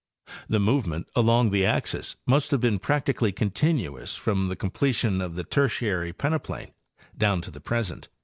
The movement along the axis must have been practi cally continuous from the completion of the Tertiary peneplain down to the present.